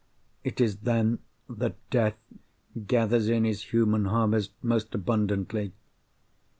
It is then that Death gathers in his human harvest most abundantly.